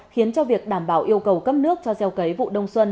khiến cho việc đảm bảo yêu cầu cấp nước cho gieo cấy vụ đông xuân